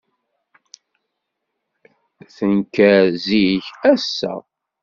Tenker zik, ass-a.